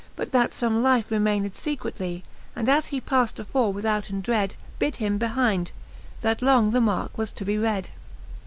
But that fbme life remayned fecretly, And as he part: afore withouten dread, Bit him behind, that long the marke was to be read.